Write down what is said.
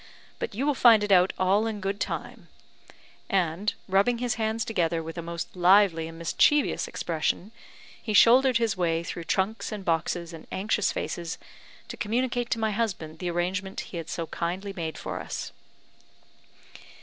But you will find it out all in good time;" and, rubbing his hands together with a most lively and mischievous expression, he shouldered his way through trunks, and boxes, and anxious faces, to communicate to my husband the arrangement he had so kindly made for us.